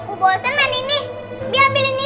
aku harus bikin perhitungan sama reva